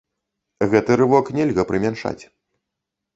Гэты рывок нельга прымяншаць.